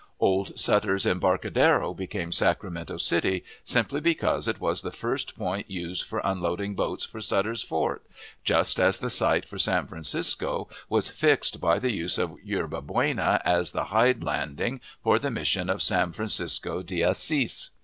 Old Sutter's embarcadero became Sacramento City, simply because it was the first point used for unloading boats for Sutter's Fort, just as the site for San Francisco was fixed by the use of Yerba Buena as the hide landing for the Mission of "San Francisco de Asis."